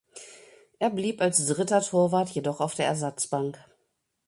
Er blieb als dritter Torwart jedoch auf der Ersatzbank.